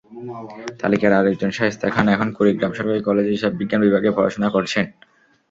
তালিকার আরেকজন শায়েস্তা খান এখন কুড়িগ্রাম সরকারি কলেজে হিসাববিজ্ঞান বিভাগে পড়াশোনা করছেন।